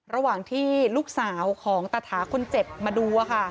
ระหว่างที่ลูกสาวของตาถาคนเจ็บมาดู